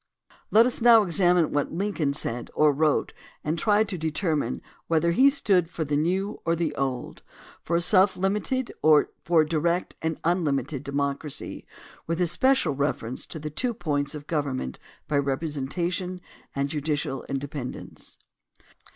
Let us now examine what Lincoln said or wrote and try to determine whether he stood for the new or the old; for self limited or for direct and unlimited democ racy with especial reference to the two points of gov ernment by representation and judicial independence.